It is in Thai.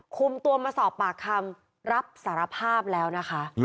คุมตัวมาสอบปากคำรับสารภาพแล้วนะคะ